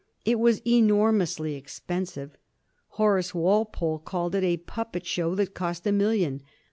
It was enormously expensive. Horace Walpole called it a puppet show that cost a million.